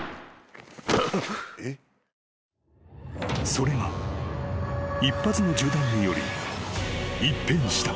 ［それが一発の銃弾により一変した］